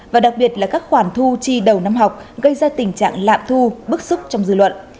và đặc biệt là các khoản thu chi đầu năm học gây ra tình trạng lạm thu bức xúc trong dư luận